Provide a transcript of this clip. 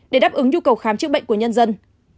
để đáp ứng nhu cầu khám chữa bệnh của nhân dân